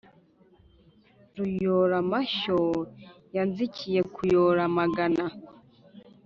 ruyora-mashyo yanzikiye kuyora amagana.